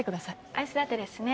アイスラテですね。